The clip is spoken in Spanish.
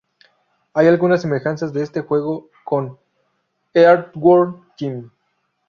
Hay algunas semejanzas de este juego con Earthworm Jim.